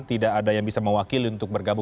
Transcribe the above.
tidak ada yang bisa mewakili untuk bergabung